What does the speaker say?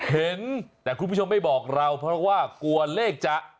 เห็นแต่คุณผู้ชมไม่บอกเราเพราะว่ากลัวเลขจะ